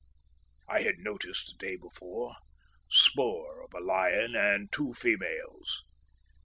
I had noticed, the day before, spoor of a lion and two females."